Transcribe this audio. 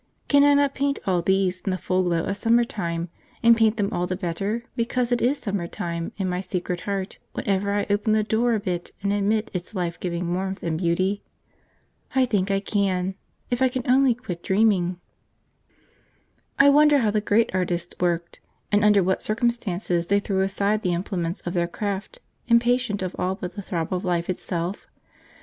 Can I not paint all these in the full glow of summer time in my secret heart whenever I open the door a bit and admit its life giving warmth and beauty? I think I can, if I can only quit dreaming. I wonder how the great artists worked, and under what circumstances they threw aside the implements of their craft, impatient of all but the throb of life itself?